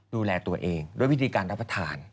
ดูแลตัวเองด้วยวิธีการรับประทาน